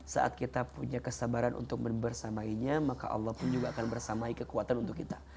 saat kita punya kesabaran untuk membersamainya maka allah pun juga akan bersamai kekuatan untuk kita